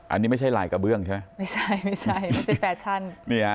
อันนี้ไม่ใช่ลายกระเบื้องใช่ไหมไม่ใช่ไม่ใช่แฟชั่น